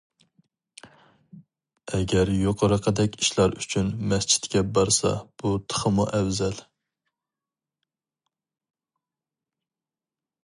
ئەگەر يۇقىرىقىدەك ئىشلار ئۈچۈن مەسچىتكە بارسا بۇ تېخىمۇ ئەۋزەل.